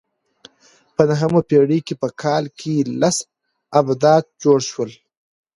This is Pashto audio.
په نهمه پېړۍ کې په کال کې لس آبدات جوړ شول